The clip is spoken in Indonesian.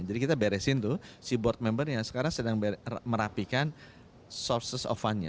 jadi kita beresin tuh si board member yang sekarang sedang merapikan sources of fund nya